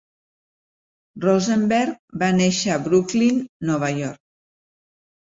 Rosenberg va néixer a Brooklyn, Nova York.